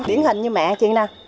điển hình như mẹ chị nè